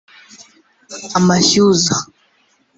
amashyuza